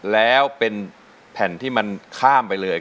แล้วเป็นแผ่นที่มันข้ามไปเลย